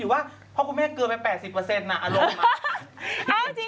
คิดว่าพ่อคุณแม่เกลือไป๘๐น่ะอารมณ์มาก